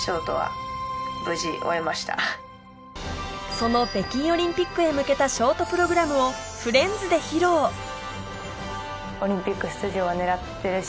その北京オリンピックへ向けたショートプログラムを「フレンズ」で披露しっかり。